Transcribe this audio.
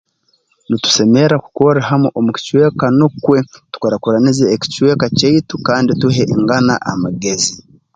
Nitusemerra kukorra hamu omu kicweka nukwe tukurakuranize ekicweka kyaitu kandi tuhe ngana amagezi